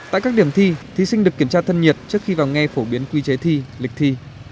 tại các điểm thi thí sinh được kiểm tra thân nhiệt trước khi vào nghe phổ biến quy chế thi lịch thi